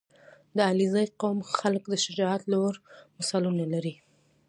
• د علیزي قوم خلک د شجاعت لوړ مثالونه لري.